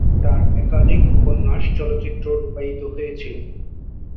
তার একাধিক উপন্যাস চলচ্চিত্রে রূপায়িত হয়েছিল।